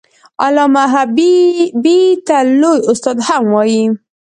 علامه حبيبي ته لوى استاد هم وايي.